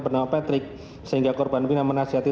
bernama patrick sehingga korban bina menasihati